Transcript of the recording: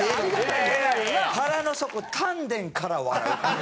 腹の底丹田から笑うっていう。